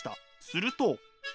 すると。